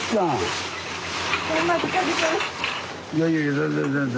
いやいや全然全然。